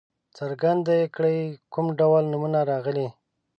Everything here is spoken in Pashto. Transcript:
څرګنده دې کړي کوم ډول نومونه راغلي.